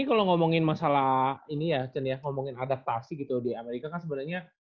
kalo lu ngomongin masalah ini ya chen ya ngomongin adaptasi gitu di amerika kan sebenarnya